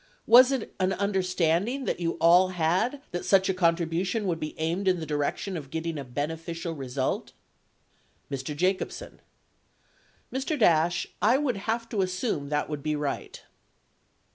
Was it an understanding that you all had that such a contribution would be aimed in the direction of getting a beneficial result ? Mr. Jacobsen. Mr. Dash, I would have to assume that would be right.